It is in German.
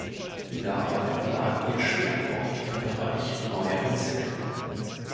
Dabei lag ihr Schwerpunkt im Bereich Neuer Musik.